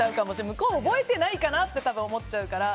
向こう覚えてないかなって多分、思っちゃうから。